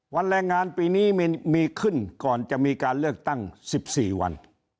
วันแรงงานปีนี้มีมีขึ้นก่อนจะมีการเลือกตั้งสิบสี่วัน